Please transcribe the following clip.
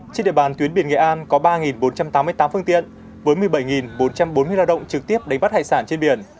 trên địa bàn tuyến biển nghệ an có ba bốn trăm tám mươi tám phương tiện với một mươi bảy bốn trăm bốn mươi lao động trực tiếp đánh bắt hải sản trên biển